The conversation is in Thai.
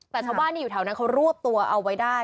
แต่ชาวบ้านที่อยู่แถวนั้นเขารวบตัวเอาไว้ได้